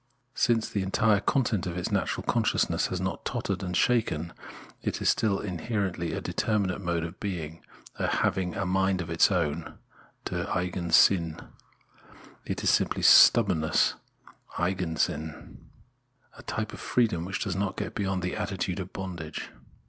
Since the entire content of its natural consciousness has not tottered and shaken, it is still inherently a determinate mode of being ; having a " mind of its own " {der eigen Sinn) is simply stubbornness (Eigensinn), a type of freedom which does not get beyond the attitude of bondage.